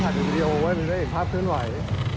ถ้าดูวิดีโอไว้มันจะได้ภาพเทินไหว